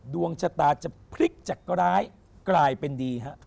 ดวงชะตาจะพลิกจะกลายเป็นดี